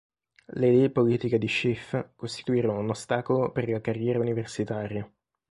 Le idee politiche di Schiff costituirono un ostacolo per la carriera universitaria.